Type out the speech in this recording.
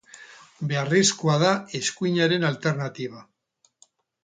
Beharrezkoa da eskuinaren alternatiba.